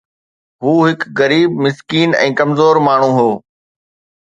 هو هڪ غريب مسڪين ۽ ڪمزور ماڻهو هو.